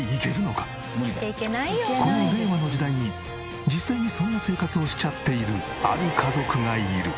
この令和の時代に実際にそんな生活をしちゃっているある家族がいる。